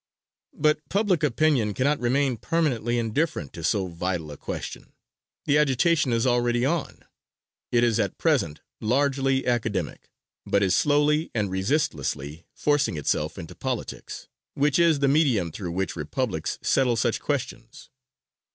But public opinion cannot remain permanently indifferent to so vital a question. The agitation is already on. It is at present largely academic, but is slowly and resistlessly, forcing itself into politics, which is the medium through which republics settle such questions.